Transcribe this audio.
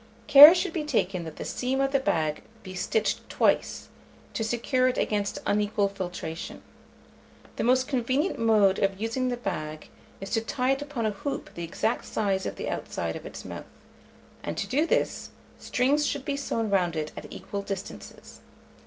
Care should be taken that the seam of the bag be stitched twice, to secure it against unequal filtration. The most convenient mode of using the big is to tie it upon a hoop the exact size of the outside of its mouth; and, to do this, strings should be sewn round it at equal distances.